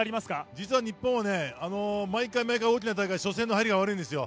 実は日本は、毎回毎回大きな大会の初戦入りが悪いんですよ。